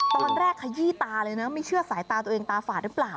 ขยี้ตาเลยนะไม่เชื่อสายตาตัวเองตาฝาดหรือเปล่า